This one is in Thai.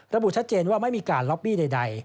ระบุชัดเจนว่าไม่มีการล็อบบี้ใด